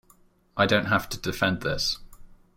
I don't have to defend this.